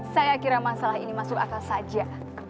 saya kira masalah ini masuk akal saja